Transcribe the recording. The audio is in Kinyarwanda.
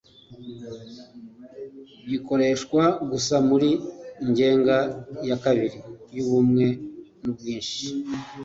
gikoreshwa gusa muri ngenga ya kabiri y’ubumwe n’ubwinshi.